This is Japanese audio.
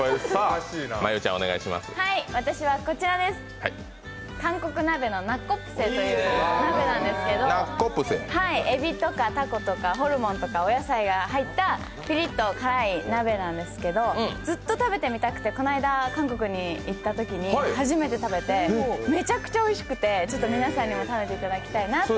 私は、韓国鍋のナッコプセという鍋なんですけど、えびとか、たことか、ホルモンとか、お野菜が入ったピリッと辛い鍋なんですけどずっと食べてみたくて、この間韓国に行ったときに初めて食べて、めちゃくちゃおいしくて、皆さんにも食べていただきたいなと。